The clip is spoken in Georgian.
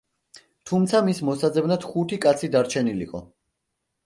თუმცა, მის მოსაძებნად ხუთი კაცი დარჩენილიყო.